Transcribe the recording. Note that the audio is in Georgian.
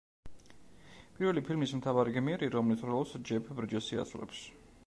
პირველი ფილმის მთავარი გმირი, რომლის როლს ჯეფ ბრიჯესი ასრულებს.